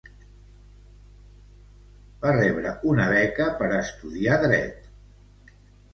Va rebre una beca per estudiar dret al Colegio del Rosario.